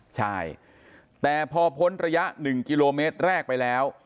ใช่แต่พอพ้นระยะ๑กิโลเมตรแรกไปแล้ว